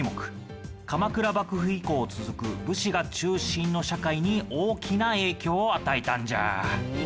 鎌倉幕府以降続く武士が中心の社会に大きな影響を与えたんじゃ。